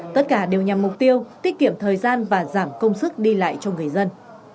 tất cả đều nhằm mục tiêu tiết kiệm thời gian và giảm công sức đi lại cho người dân